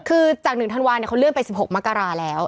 คือจาก๑ธันวาเขาเลื่อนไป๑๖มกราแล้ว